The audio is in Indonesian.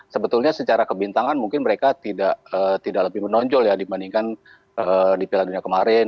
sebetulnya secara kebintangan mungkin mereka tidak lebih menonjol ya dibandingkan di piala dunia kemarin